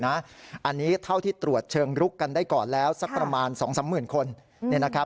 อันนี้เท่าที่ตรวจเชิงลุกกันได้ก่อนแล้วสักประมาณ๒๓หมื่นคน